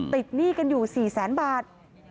ติดหนี้กันอยู่๔๐๐๐๐๐บาท